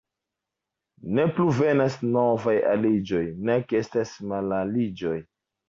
Ne plu venas novaj aliĝoj, nek estas malaliĝoj.